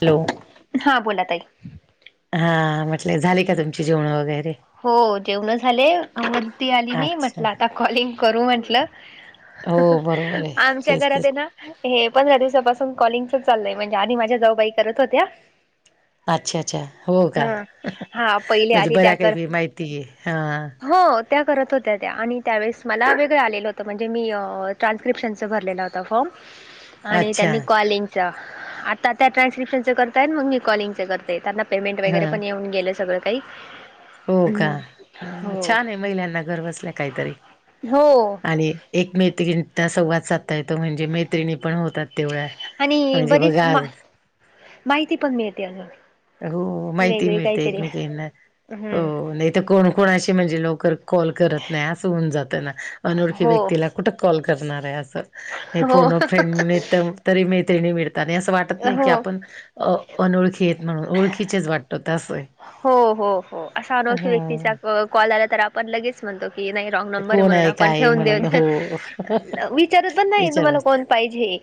Hello हा बोला ताई. हा म्हंटलं झाली का तुमची जेवणं वगैरे? हो जेवण झाली वरती आली मी अच्छा म्हटलं आता कॉलिंग करू म्हटलं, हो हा बरोबर हा आहे आमच्या तेच घरात तेच आहे ना हे पंधरा दिवसापासून कॉलिंगच च चालय म्हणजे आधी माझ्या जाऊबाई करत होत्या अच्छा अच्छा हो का. ह हा पहिले म्हणजे आधी त्या बऱ्या कर काही माहिती आहे हा हो त्या करत होत्या त्या आणि त्यावेळेस मला वेगळं आलेलं होतं म्हणजे मी ट्रान्स्क्रिप्शनचं भरलेलं होता फॉर्म [unintelligible] आणि त्यांनी कॉलिंगचं आता त्या ट्रान्स्क्रिप्शनचं करताय मग मी कॉलिंगचं करते त्यांना पेमेंट हा वगैरे पण येऊन गेलं सगळं काही. हो का हम्म. हो छान आहे महिलांना घर बसल्या काहीतरी हो आणि एकमेकींचा संवाद साधता येतो म्हणजे मैत्रिणी पण होतात. तेवळा आणि म्हणजे बरीच बघा मा आज. माहिती पण मिळते अगं, हो माहिती ही मिळते एकमेकींना हम्म हो नाही तर कोण कोणाशी म्हणजे लवकर कॉल करत नाही असं होऊन जातं ना अनोळखी हो व्यक्तीला कुठं कॉल करणार आहे असं, हे हो फोन अ फ्रेंड [inaudible] तरी मैत्रिणी मिळतात आणि असं वाटत नाही की हो आपण अनोळखी आहेत म्हणून ओळखीचेच वाटतो ते असं आहे. हो हो हो असा अनोळखी व्यक्तीचा हा. कॉल आला तर आपण लगेच म्हणतो की नाही रॉंग नंबर आहे कोण म्हणून आपण काय आहे ठेवून म्हणून हो देतो विचारत पण नाही तुम्हाला विचारूच कोण पाहिजे,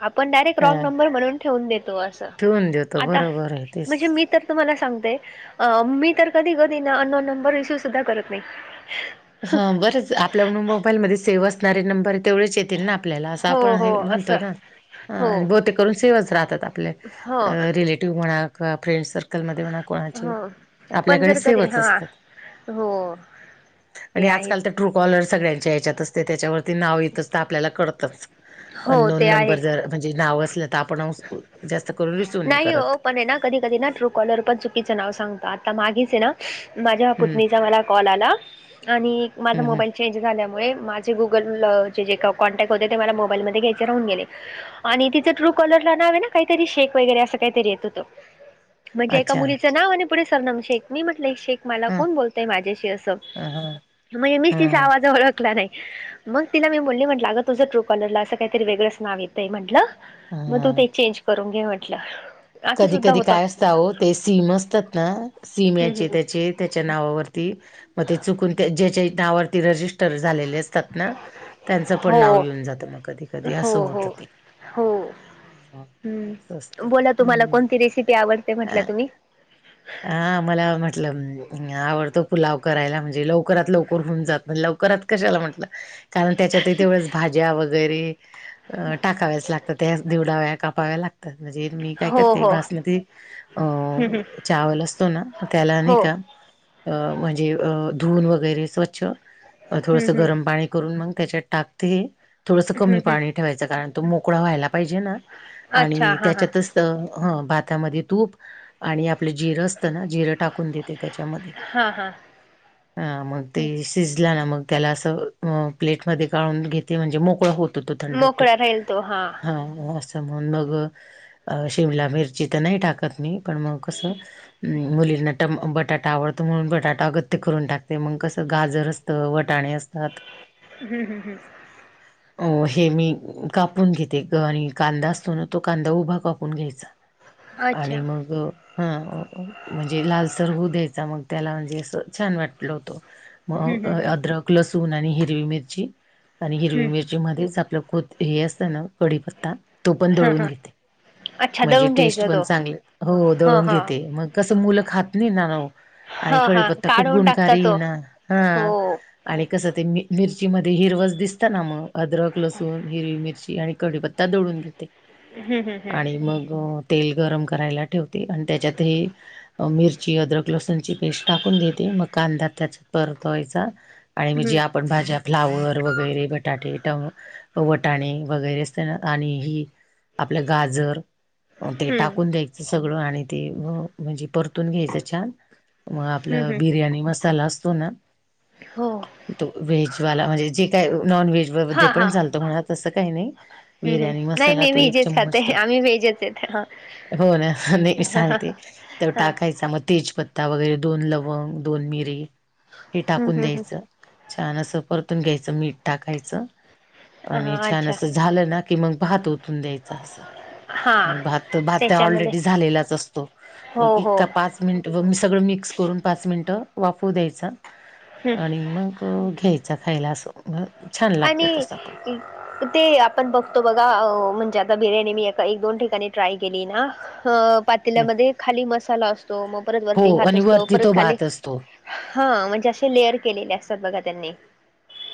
आपण डायरेक्ट हा. रॉंग नंबर म्हणून ठेवून देतो असं ठेवून देतो आता बरोबर आहे तेच. म्हणजे मी तर तुम्हाला सांगते मी तर कधी कधी ना अननोन नंबर रिसीव्ह सुद्धा करत नाही. हा बरंच आपल्या मोबाईलमध्ये सेव्ह असणारे नंबर तेवढेच येतील ना आपल्याला असं हो आपण हे हो म्हणतो असं ना हो बहुतेक करून सेवच राहतात आपले हो रिलेटिव्ह म्हणा किंवा फ्रेंड सर्कलमध्ये म्हणा, कोणाचे हो पण आपल्याकडे जर कधी सेवच हा असतात. हो. ते आणि आजकाल आहेच तर ट्रू कॉलर सगळ्यांच्या या्च्यात असते त्याच्यावरती नाव येतच तर आपल्याला कळतंच हो अननोन ते आहे. नंबर जर म्हणजे नाव असलं तर आपण जास्त करून रिसीव्ह नाही करत, हो पण आहे ना कधी कधी ना ट्रू कॉलर पण चुकीचं नाव सांगत आता मागेच आहे ना, माझ्या हम्म पुतणीचा मला कॉल आला आणि माझ हम्म हम्म मोबाईल चेंज झाल्यामुळे माझे गुगल जे जे का कॉन्टॅक्ट होते ते मला मोबाईलमध्ये घ्यायचे राहून गेले, आणि तिचं ट्रू कॉलर ला नाव आहे ना काहीतरी शेख वगैरे अस काहीतरी येत होतं म्हणजे एक एका अच्छा मुलीचं नाव आणि पुढे सरनाम शेख मी म्हटलं शेख मला हा कोण बोलतय माझ्याशी असं. ह म्हणजे ह मीच तिचा आवाज ओळखला नाही. मग तिला मी बोलली म्हटलं अगं तुझं ट्रू कॉलरला असं काहीतरी वेगळंच नाव येतंय म्हटलं. ह मग ह तू ते चेंज करून घे म्हटलं. असं कधी सुद्धा कधी होतं. काय असत आहो ते सीम असतात ना सीम हम्म याचे हम्म. त्याचे. त्याच्या नावावरती. मग ते चुकून ज्याच्या नावावरती रजिस्टर झालेले असतात ना, त्यांचं पण हो नाव येऊन जातं मग कधी कधी हो असं होत हो ते. हो हं, असं असतं हम्म बोला तुम्हाला हम्म कोणती रेसिपी आवडते म्हटलं तुम्ही. [inaudible] हा मला म्हटलं आवडतं पुलाव करायला म्हणजे लवकरात लवकर होऊन जात म्ह लवकरात. कशाला म्हटलं कारण त्याच्यातही तेवढंच भाज्या वगैरे, अ टाकाव्याच लागतात त्याच दिवडाव्या कापाव्या लागतात म्हणजे मी. काय हो करते हो बासमती अ हम्म हम्म चावल असतो ना त्याला नाही हो का. अ म्हणजे अ धुवून वैगेरे स्वच्छ. हम्म थोडंसं हम्म गरम पाणी करून मग त्याच्यात टाकते. थोडंसं हम्म कमी हम्म. पाणी ठेवायचं कारण तो मोकळा व्हायला पाहिजे ना अच्छा आणि हां हां त्याच्यातच, ह भातामध्ये तूप आणि आपलं जिरं असतं ना जिरं टाकून देत. त्याच्यामध्ये, हां हां अ मग ते शिजला ना मग त्याला असं प्लेटमध्येध्ये काढून घेते म्हणजे मोकळा होत, थंड मोकळा राहील तो हा! म मिर तर नाही सिमला मिरची टाकत म पण म कस, मुलींना टम बटाटा आवडतो म्हणून बटाटा अगत्य करून टाकते मग कसं गाजर असतं वटाणे असतं. आात, हम् हम् हम्म! अ हे मी कापून घेते ग आणि कांदा असतो ना तो कांदा उभा कापतो. फकून घ्यायचा अच्छा आणि मग, हा म्हणजे लालसर होऊ द्यायचा मग त्याला म्हणजे असं छान वाटल होतं. हम्म मग हम्म हम्म. अद्रक लसूण आणि हिरवी मिरची आणि हिरवी हम्म मिरची, मध्येच आपलं खत हे असत ना कढीपत्ता तो पण हा दळून. हा घेते अच्छा म्हणजे दळून टेस्ट घ्यायचा पण तो. चांगले हो ह दळून ह घेते मग कस मुलं खात नाही ना ना. ह आणि हा कळीपत्ता खूप काढून टाकता गुणकारी तो ना हो हा! आणि कसं ते मिरची मध्ये हिरवच दिसत ना मग अदरक लसण हिरवी मिरची आणि, कडीपत्ता दोडून घेते. हम् हम हं, आणि मग तेल गरम करायला ठेवते आणि त्याच्यातही, मिरची अद्रक लसूणची पेस्ट टाकून देते मग कांदा्या त्याच्यात परतवायचा. आणि म्हणजे हम्म आपण भाज्या फ्लावर वगैरे बटाटे टम, वटाणे वगैरे अस आणि ह आपल्या गा, जर ते हम्म टाकून द्यायचं सगळं आणि ते म्हणजे परतून घ्यायचं छान. मग हम्म आपलं हम्म बिर्याणी मसाला असतो ना. हो, व्हेजवाला म्हणजे जे काय नॉन व्हेज, हा ध्ये हा पण चालतो म्हणा तसं काही नाही हम्म हम्म बिर्याणी नाही मसाला मी तो एक व्हेजच खाते चममच, आम्ही व्हेजच आहेत हा हो ना नाही मी ह ह सांगते ते हा टाकाय, मग तेजपत्ता वगैरे, दोन लवंग दोन मिरे हे हम्म टाकून हम्म द्यायच. हम्म छान असं परतून घ्यायचं मीठ टाकायचं, आणि हा छान अच्छा असं. झालं ना की मग, भात ओतून द्यायचं असा. हा मग भात, भात्या त्याच्यामध्ये ऑलरेडी झालेलाच असतो, मग हो हो इका पाच पाच मिनटं व सगळं मिक्स करून पाच मिनटं वाफु द्यायचा, हम्म आणि मग घ्यायचा खायला असं. छान लागतो आणि तसा ते आपण बघतो बघा, म्हणजे आता बिर्याणी मी एका एक दोन ठिकाणी ट्राय केली ना, अ पण पातेल्यामध्ये खाली मसाला असतो, मग परत हो वरती भात आणि असतो वरती तो परत खाली भात असतो हां, म्हणजे अशे लेअर केलेले असतात बघा त्यांनी.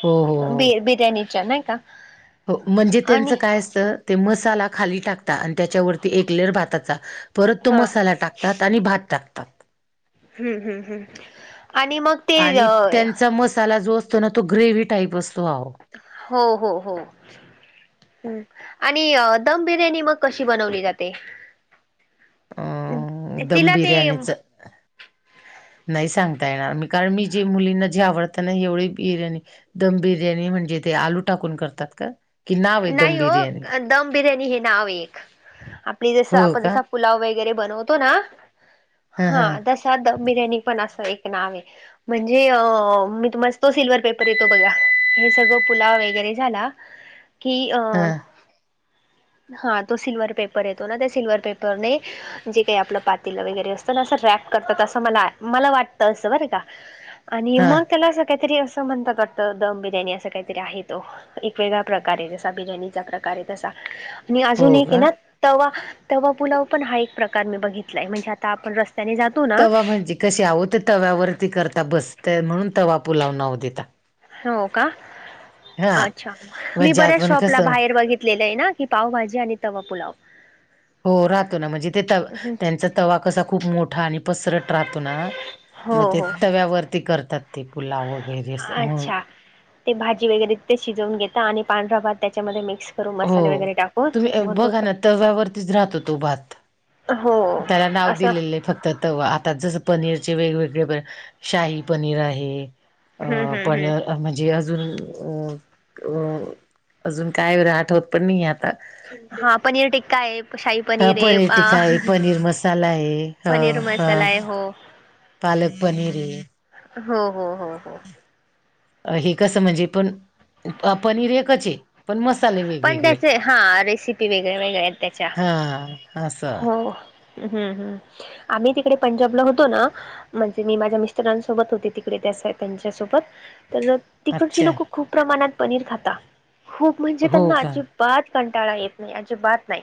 हो हो. बि हो बिर्याणीच्या नाही का. हो, म्हणजे आणि त्यांचं काय असतं, ते मसाला खाली टाकता आणि त्याच्यावरती एकलेअर भाताचा. परत तो हा मसाला टाकतात, आणि भात टाकतात. हम्म हम्म हम्म, आणि मग ते आणि त्यांचा मसाला जो असतो ना, तो ग्रेव्ही टाईप असतो. हो हो हो. आणि, दम बिर्याणी मग कशी बनवली जाते? अ दम तिला ते बिर्याणीचं नाही सांगता येणार, मी कारण मी जे मुलींना जे आवडतं ना, एवढी बिर्याणी दम बिर्याणी म्हणजे ते, आलू टाकून करतात का? कि नाव आहे दम नाही ओ, बिर्याणी दम बिर्याणी हे नाव एक, आपली जसं हो आपण का? जसं पुलाव वगैरे बनवतो ना, हा तसा बिर्याणी पण असं एक नावये. म्हणजे, मी मस्तो सिल्व्ह पेपर येतो बघा, हे सगळं पुलाव वगैरे झाला कि हा अं, हा तो सिल्वर पेपर येतो ना, त्या सिल्वर पेपरने जे काही आपलं पातेलं वगैरे असतं ना, अस रॅप करतात असं मला, मला वाटतं असं बर का.. [unintelligible] आणि मग त्याला असं काहीतरी असं म्हणतात वाटतं, दम बिर्याणी असं काहीतरी आहे तो, एक वेेगळा प्रकार. कार बिर्याणीचा प्रकारे तसा, मी अजून हो एक आहे का? ना तवा, तवा पुुलाव पण हा एक प्रकार मी बघितलाय, म्हणजे आता आपण रस्त्याने जात तवा म्हणजे कसे, आहो ते तव्यावरती करता बसते म्हणून तवा पुलाव नाव दिला. हो का अच्छा, मी म्हणजे बऱ्याच आपण शॉपला कसं बाहेर बघितलेलं आहे ना. ही पावभाजी आणि तवा पुलाव. हो राहतो ना, म्हणजे ते त त्यांचा तवा कसा खूप मोठा आणि पसरत राहतो ना हो मग ते हो तव्यावरती करतात ते, पुलाव वगैरे अस म्हणून. अच्छा ते भाजी वगैरे ते शिजवून घेतात, आणि पांढरा भात त्याच्यामध्ये मिक्स करून मसाले हो, वगैरे टाकून तुम्ही मग तो बघा ना तव्यावरतीच राहतो तो भात. हो त्याला नाव असं दिलेलंय फक् तर तवा, आता जसं पनीरचे वेगवेगळे प शाही पनीर आहे, अ हम्म हम्म पण हम्म म्हणजे अजून, अ अ अजून काय राहत ठवत पण नाही आता. हा पनीर टिक्का आहे, शाही हा आहे पनीर टिक्का आहे, अ पनीर मसाला आहे, ह पनीर हा. मसाला आहे हो पालक पनीर आहे. हो हो हो हो. हे कसं म्हणजे पण, पनीर एकच पण मसाले पण वेगवेगळे, त्याचे हा रेसिपी वेगळ्या वेगळ्या आहेत त्याच्या हा असं. हो हम्म ह् आम्ही तिकडे पंजाबला होतो ना. म्हणजे मी माझ्या मिस्टरांसोबत होते तिकडे त्या त्यांच्यासोबत तर. तिकडची अच्छा लोक खूप प्रमाणात पनीर खाता खूप म्हणजे हो त्यांना का अजिब. बात कंटाळा येत नाही अची बात नाही.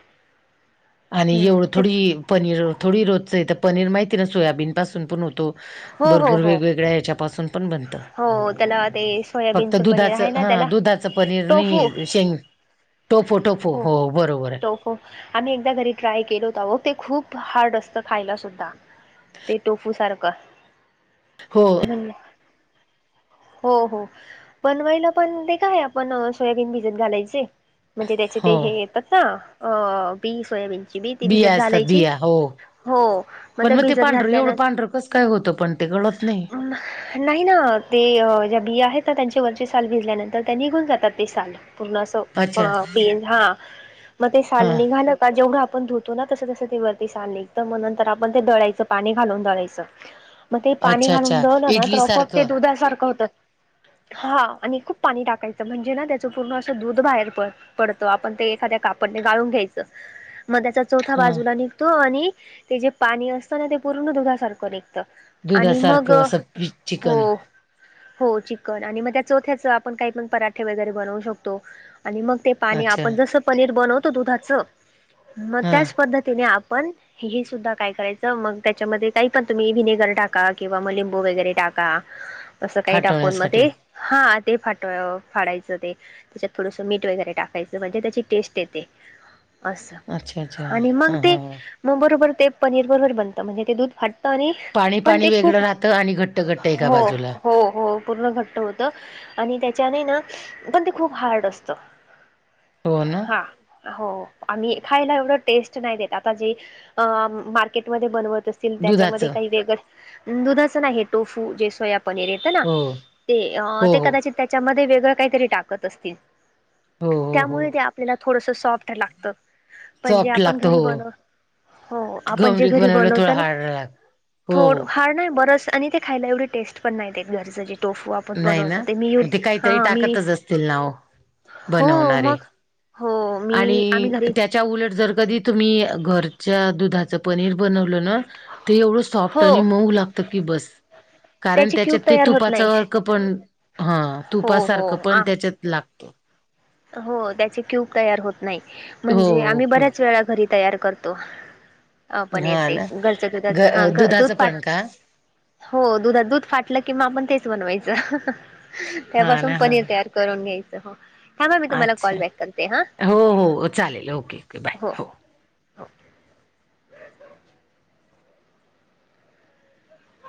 आणि हम्म एवढं ते थोडी पनीर थोडी रोजचं आहे तर पनीर माहिती आहे ना सोयाबीन पासून पण होतो. हो हो भरपूर हो वेगवेगळ्या ह्याच्यापासून पण बनतं हो त्याला ते फक्त सोयाबीनचं पनीर दुधाच आहे ना त्याला दुधा. पनीर टोफू नाही शेंग तो फोटो. हो तो हो आम्ही एकदा घरी ट्राय केलो होता ते खूप हार्ड असतं खायला सुद्धा. ते टोफू सारखं. हो हो हो. बनवायला पण ते काय आपण सोयाबीन भिजत घालायचे म्हणजे. हो ते हे येतात ना अ बी सोयाबीन ची बी ती बिया भिजत असतात घालायची. बिया हो. हो मग पण ते भिजत पांढरं घातल्या ना. एवढं पांढरं कसं काय होतं पण ते कळत नाही नाही ना ते अ ज्या बिया आहेत त्या त्यांच्या वरचे साल भिजल्यानंतर त्या निघून जातात ते साल पूर्ण अस अ अच्छा बी हा मग ते साल हा. निघाल जेवढं आपण धुतो ना तस तस ते वरती साल निघत मग नंतर आपण ते दळायचं पाणी घालून दळायचं. मग ते पाणी अच्छा घालून अच्छा दळवलं ना तर इडली आपोआप ते सारखं दुधासारखं होतं. हा आणि खूप पाणी टाकायचं म्हणजे ना त्याचं पूर्ण असं दूध बाहेर पड पडतो आपण ते एखाद्या कापडने गाळून घ्यायचं मग त्याचा चौथ्या हा बाजूला निघतो आणि. ते जे पाणी असतं ना ते पूर्ण दुधासारखं नाही. आणि मग दुधासारखं असं पी चिकन हो. हो चिकन आणि मग त्या चोथ्याच आपण काही पण पराठे वगैरे बनवू शकतो आणि मग ते पाणी अच्छा आपण जसं पनीर बनवतो दुधाचं मग हा त्याच पद्धतीने आपण हि हि सुद्धा काय करायचं मग त्याच्यामध्ये काही पण तुम्ही विनेगर टाका किंवा मग लिंबू वगैरे टाका. असं काही टाकून मग फाटवण्यासाठी ते हा ते फाटव फाडायचं ते त्याच्यात थोडंसं मीठ वगैरे टा टाकायचं म्हणजे त्याची टेस्ट येते अस अच्छा अच्छा आणि मग हा ते हा. मग बरोबर ते पनीर बरोबर बनत म्हणजे ते दूध फाट पनीर पाणी पण पाणी ते वेगळं खूप राहतं आणि घट्ट घट्ट एका हो बाजूला हो हो. पूर्ण घट्ट होतं आणि त्याच्याने ना पण ते खूप हार्ड असतं. हो ना. हा हो आम्ही खायला एवढं टेस्ट नाही देत आता जे अ मार्केटमध्ये बनवत अस तील त्याच्यामध्ये दुधाचं काही वेगळं दुधाच ना हे टोफू जे सोया पनीर ये असतं ना हो ते अ हो ते हो कदाचित त्याच्यामध्ये वेगळं काहीतरी टाकत असतील. हो हो हो त्यामुळे ते आपल्याला थोडंसं सॉफ्ट लागत. पण जे सॉफ्ट आपण लागतं घरी हो बनव हो हो आपण जे घमरीक घरी बनवलं थोडं बनवतो ना हार्ड लाग हो थोड हो हाय नाही बरच आणि ते खायला एवढी टेस्ट पण नाही घरचे जे टोफू आप ण नाही बनवतो ना ते मी मग [unintelligible] हा काहीतरी मी [unintelligible] हो बनवणारे. मग हो मी आणि आम्ही घरी त्याच्या उलट जर कधी तुम्ही घरच्या दुधाच पनीर बनवलं ना ते एवढं सॉफ्ट हो आणि मऊ लागत की बस कारण त्याची क्यूब त्याच्यात ते तयार होत तुपाचा नाही. अर्क पण हा हो हो तुपासारखं पण आ त्याच्यात लाग हो त्याचे क्यूब तयार होत नाही हो म्हणजे हो आम्ही तूप. बऱ्याच वेळा घरी तयार कर तो हा पण हा येतय ना घरच्या ग दुधाच हा अ दूध दुधाचं फाट पण का हो दुधात दूध फाटलं कि म आपण तेच बनवायचं. हा त्यापासून ना हा पनीर तयार करून घ्यायचं ह अच्छा हो हो चालेल ओके ओके बाय. हो. हो